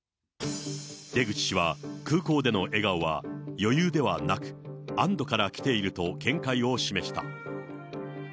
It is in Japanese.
出口氏は空港での笑顔は余裕ではなく、安どからきていると見解を示した。